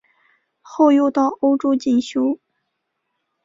后又到欧洲进修。